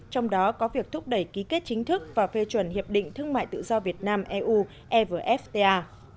trong đó có việc thúc đẩy ký kết chính thức và phê chuẩn hiệp định thương mại tự do việt nam eu evfta